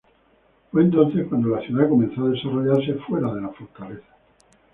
Fue entonces cuando la ciudad comenzó a desarrollarse fuera de la fortaleza.